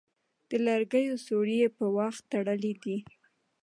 د لرګيو ځوړی يې په واښ تړلی دی